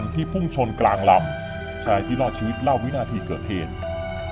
พุ่งชนกลางลำชายที่รอดชีวิตเล่าวินาทีเกิดเหตุ